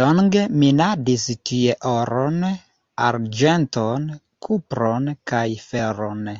Longe minadis tie oron, arĝenton, kupron kaj feron.